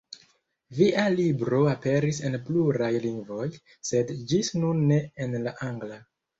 Via libro aperis en pluraj lingvoj, sed ĝis nun ne en la angla.